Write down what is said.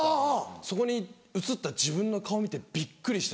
そこに映った自分の顔見てびっくりして。